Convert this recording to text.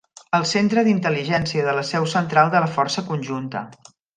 El centre d'intel·ligència de la seu central de la força conjunta.